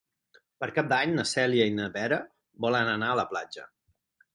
Per Cap d'Any na Cèlia i na Vera volen anar a la platja.